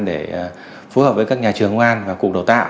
để phối hợp với các nhà trường công an và cuộc đào tạo